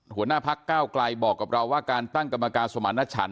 หัวหน้าพักก้าวไกลบอกกับเราว่าการตั้งกรรมการสมารณชัน